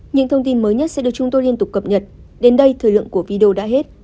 những thông tin mới nhất sẽ được chúng tôi liên tục cập nhật đến đây thời lượng của video đã hết